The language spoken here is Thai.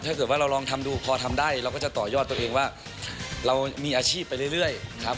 ถ้าเกิดว่าเราลองทำดูพอทำได้เราก็จะต่อยอดตัวเองว่าเรามีอาชีพไปเรื่อยครับ